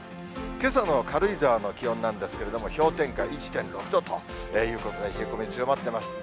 けさの軽井沢の気温なんですけれども、氷点下１．６度ということで、冷え込み強まってます。